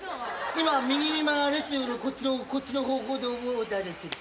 今右に曲がれっていうのこっちの方向で覚えたんですけど。